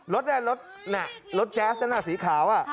รถนั่นรถแจ๊สนั่นน่ะสีขาว